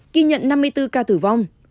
kỳ nhận năm mươi bốn ca tử vong